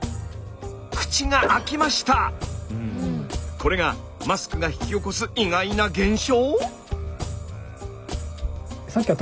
これがマスクが引き起こす意外な現象？